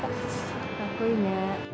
かっこいいね。